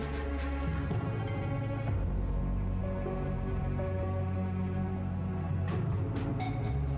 terima kasih samamu